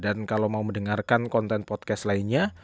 dan kalau mau mendengarkan konten podcast lainnya